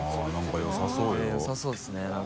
よさそうですね何か。